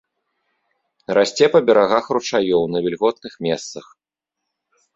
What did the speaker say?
Расце па берагах ручаёў на вільготных месцах.